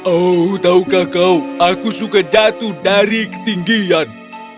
oh tahukah kau aku suka jatuh dari ketinggian